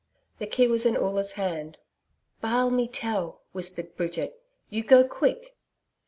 The key was in Oola's hand. 'BA AL me tell,' whispered Bridget. 'You go quick.'